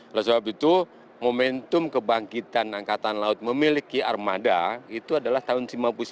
oleh sebab itu momentum kebangkitan angkatan laut memiliki armada itu adalah tahun seribu sembilan ratus sembilan puluh sembilan